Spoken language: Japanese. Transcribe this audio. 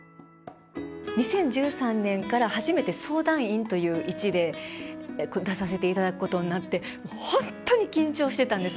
２０１３年から初めて相談員という位置で出させて頂くことになってもうほんとに緊張してたんです。